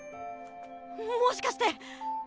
もしかして。